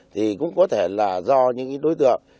thì cũng có thể là do những đối tượng